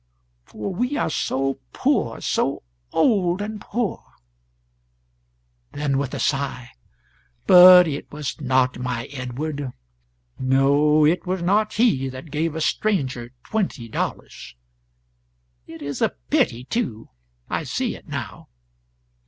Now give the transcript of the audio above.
for we are so poor, so old and poor! ..." Then, with a sigh "But it was not my Edward; no, it was not he that gave a stranger twenty dollars. It is a pity too; I see it now.